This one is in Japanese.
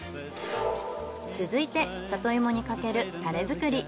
続いて里芋にかけるタレ作り。